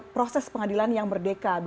proses pengadilan yang merdeka